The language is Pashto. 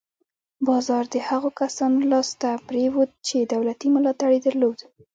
بازار د هغو کسانو لاس ته پرېوت چې دولتي ملاتړ یې درلود.